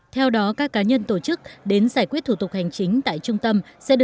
theo đó các cá nhân tổ chức đến giải quyết thủ tục hành chính tại trung tâm